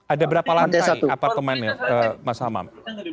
ada berapa lantai apartemennya mas hamam